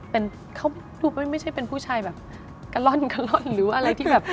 เป็นเขาดูไม่ใช่เป็นผู้ชายแบบกะล่อนกะล่อนหรืออะไรที่แบบ